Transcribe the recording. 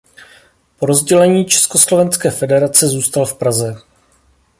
Po rozdělení československé federace zůstal v Praze.